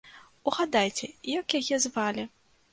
Угадайце, як яе звалі?